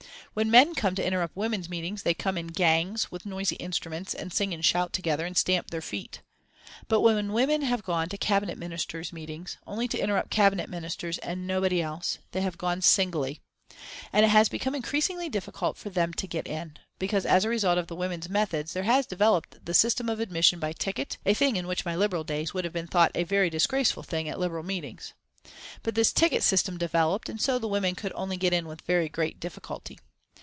When men come to interrupt women's meetings, they come in gangs, with noisy instruments, and sing and shout together, and stamp their feet. But when women have gone to Cabinet Ministers' meetings only to interrupt Cabinet Ministers and nobody else they have gone singly. And it has become increasingly difficult for them to get in, because as a result of the women's methods there has developed the system of admission by ticket and the exclusion of women a thing which in my Liberal days would have been thought a very disgraceful thing at Liberal meetings. But this ticket system developed, and so the women could only get in with very great difficulty.